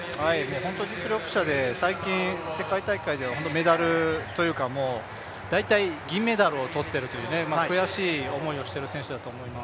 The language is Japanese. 本当に実力者で、最近、世界大会ではメダルというか、大体銀メダルを取っているという悔しい思いをしている選手です。